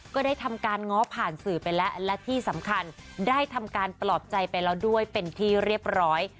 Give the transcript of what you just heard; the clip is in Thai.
ก็ได้ทำการง้อผ่านสื่อไปแล้วและที่สำคัญได้ทำการปลอบใจไปแล้วด้วยเป็นที่เรียบร้อย